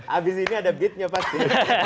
abis ini ada beatnya pasti